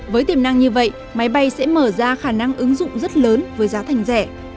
với tiềm năng như vậy máy bay sẽ mở ra khả năng ứng dụng rất lớn với giá thành rẻ